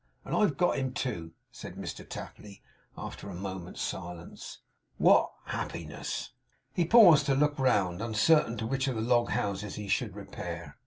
And I have got him too,' said Mr Tapley, after a moment's silence. 'What a happiness!' He paused to look round, uncertain to which of the log houses he should repair.